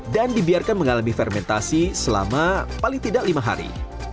dan dibiarkan mengalami fermentasi selama paling tidak lima hari